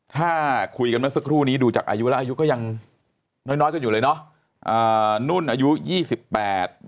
ถ้าคุยกันเมื่อสักครู่นี้ดูจากอายุแล้วอายุก็ยังน้อยกันอยู่เลยเนาะ